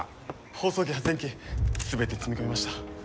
放送機発電機全て積み込みました。